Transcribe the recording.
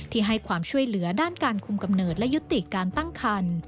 ให้ความช่วยเหลือด้านการคุมกำเนิดและยุติการตั้งคัน